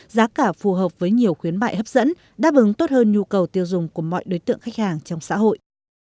giá cả phù hợp với nhiều khuyến mại hấp dẫn đáp ứng tốt hơn nhu cầu tiêu dùng của mọi đối tượng khách hàng trong xã hội